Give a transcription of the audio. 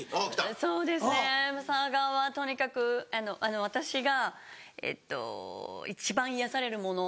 そうですね佐賀はとにかく私が一番癒やされるものは。